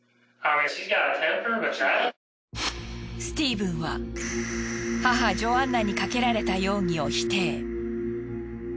スティーブンは母ジョアンナにかけられた容疑を否定。